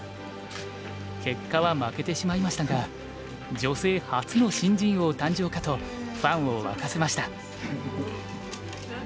結果は負けてしまいましたが女性初の新人王誕生かとファンを沸かせました。